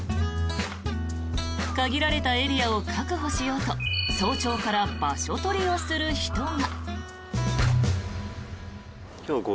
限られたエリアを確保しようと早朝から場所取りをする人が。